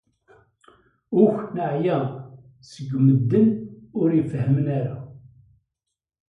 Uk neɛya seg medden ur ifehhmen ara.